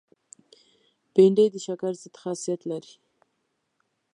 بېنډۍ د شکر ضد خاصیت لري